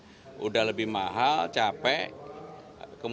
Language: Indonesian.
sudah lebih mahal capek